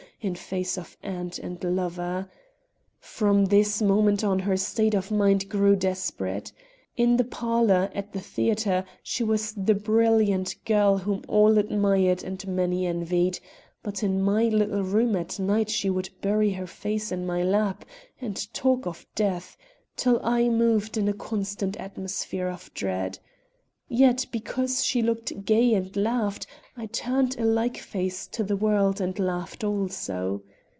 in face of aunt and lover. From this moment on her state of mind grew desperate. In the parlor, at the theater, she was the brilliant girl whom all admired and many envied; but in my little room at night she would bury her face in my lap and talk of death, till I moved in a constant atmosphere of dread. Yet, because she looked gay and laughed, I turned a like face to the world and laughed also.